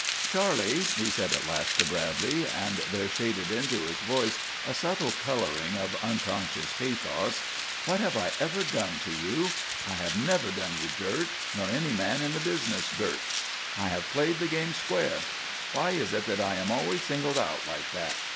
"Charley," he said at last to Bradley, and there shaded into his voice a subtle colouring of unconscious pathos, "What have I ever done to you? I have never done you dirt; nor any man in the business dirt. I have played the game square. Why is it that I am always singled out like that?